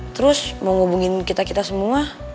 terus mau hubungin kita kita semua